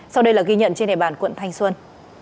sau đây là ghi nhận trên địa bàn quận thanh xuân